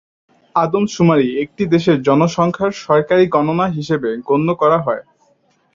আদমশুমারি একটি দেশের জনসংখ্যার সরকারি গণনা হিসেবে গণ্য করা হয়।